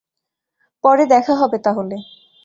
পরে দেখা হবে, তাহলে।